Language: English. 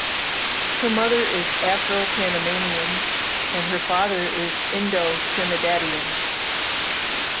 Her mother is Afro-Panamanian and her father is Indo-Trinidadian.